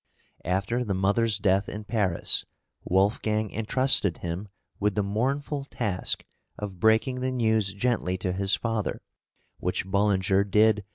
After the mother's death in Paris, Wolfgang intrusted him with the mournful task of breaking the news gently to his father, which Bullinger did {EARLY MANHOOD.